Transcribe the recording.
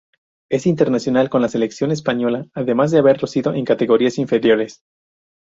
Es internacional con la selección española, además de haberlo sido en categorías inferiores.